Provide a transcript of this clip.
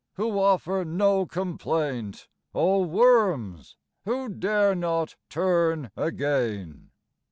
who offer no complaint; Oh Worms! who dare not turn again.